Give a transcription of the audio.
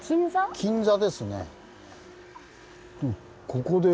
金座ですね。